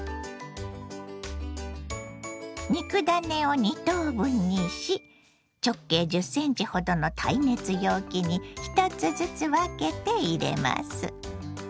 肉ダネを２等分にし直径１０ｃｍほどの耐熱容器に１つずつ分けて入れます。